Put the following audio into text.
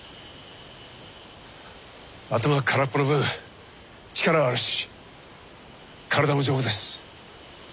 頭は空っぽな分力はあるし体も丈夫です。